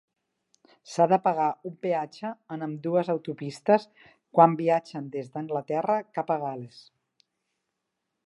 S'ha de pagar un peatge en ambdues autopistes, quan viatgen des d'Anglaterra cap a Gal·les.